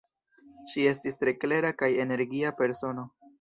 Ŝi estis tre klera kaj energia persono.